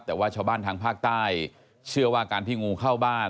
แต่ว่าชาวบ้านทางภาคใต้เชื่อว่าการที่งูเข้าบ้าน